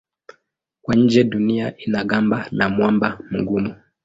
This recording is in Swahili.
Kwa nje Dunia ina gamba la mwamba mgumu.